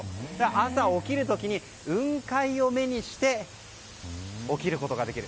朝起きる時に、雲海を目にして起きることができる。